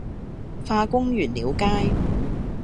化工原料街